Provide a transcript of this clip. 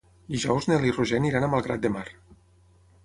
Dijous en Nel i en Roger aniran a Malgrat de Mar.